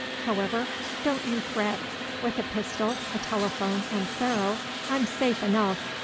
However, don't you fret. With a pistol, a telephone, and Pharaoh I'm safe enough.